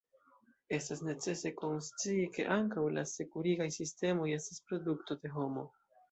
Estas necese konscii, ke ankaŭ la sekurigaj sistemoj estas produkto de homo.